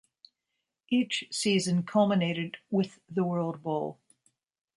Each season culminated with the World Bowl.